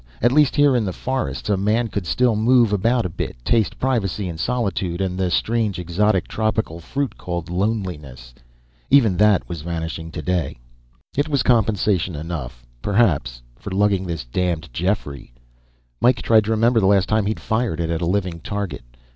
At least here in the forests a man could still move about a bit, taste privacy and solitude and the strange, exotic tropical fruit called loneliness. Even that was vanishing today. It was compensation enough, perhaps, for lugging this damned Jeffrey. Mike tried to remember the last time he'd fired it at a living target.